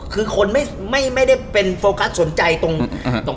คือคนไม่ไม่ได้เป็นโฟกัสสนใจตรง